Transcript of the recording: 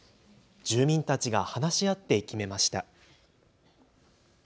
住民たちが話し合って決めました。